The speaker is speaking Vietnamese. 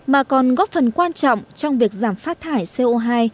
mà còn góp phần quan trọng trong việc giảm phát thải co hai